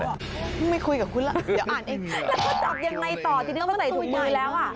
แล้วก็จับยังไงต่อทีนี้เขาใส่ถุงปุ๋ยแล้ว